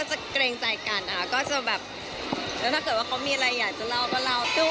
ส่งการเผยมาหาแก๊งเสิร์ฟวี่ไหมครับ